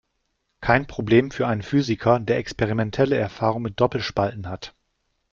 Kein Problem für einen Physiker, der experimentelle Erfahrung mit Doppelspalten hat.